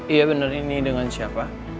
iya benar ini dengan siapa